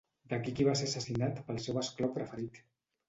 Daqiqi va ser assassinat pel seu esclau preferit.